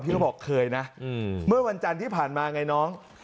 เขาบอกเคยนะเมื่อวันจันทร์ที่ผ่านมาไงน้อง